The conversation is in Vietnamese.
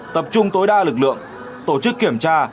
tập trung tối đa lực lượng tổ chức kiểm tra